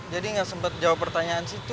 jadi gak sempet jawab pertanyaan situ